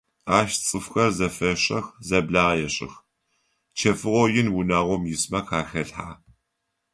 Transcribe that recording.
Ащ цӏыфхэр зэфещэх, зэблагъэ ешӏых: чэфыгъо ин унагъом исмэ къахелъхьэ.